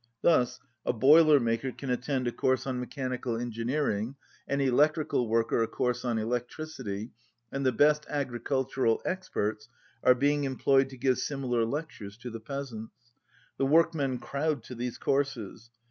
Thus a boiler maker can attend a course on mechanical engineering, an electrical worker a course on electricity, and the best agricultural experts are being employed to give similar lectures to the peasants. The workmen crowd to these courses.